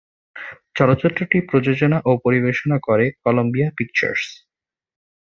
চলচ্চিত্রটি প্রযোজনা ও পরিবেশনা করে কলাম্বিয়া পিকচার্স।